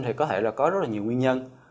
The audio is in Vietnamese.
thì có thể là có rất là nhiều nguyên nhân